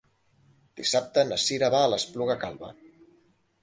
Dissabte na Sira va a l'Espluga Calba.